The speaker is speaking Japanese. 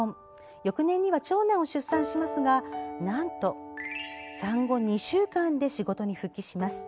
翌年には長男を出産しますがなんと、産後２週間で仕事に復帰します。